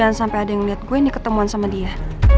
jangan sampai ada yang liat gue yang di ketemuan sama dia